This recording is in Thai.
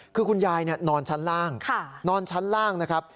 คือคุณยายนอนชั้นล่างนอนชั้นล่างนะครับ